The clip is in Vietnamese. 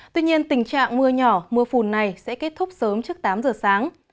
tuy nhiên tình trạng mưa nhỏ mưa phùn này sẽ kết thúc sớm trước tám giờ sáng